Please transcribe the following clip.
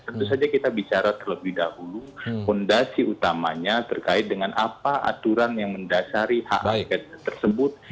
tentu saja kita bicara terlebih dahulu fondasi utamanya terkait dengan apa aturan yang mendasari hak angket tersebut